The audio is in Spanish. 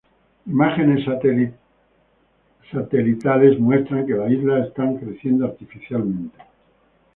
Imágenes satelitales muestran que las islas están creciendo artificialmente.